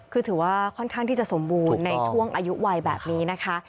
คือถือว่าค่อนข้างที่จะสมบูรณ์ในช่วงอายุวัยแบบนี้นะคะ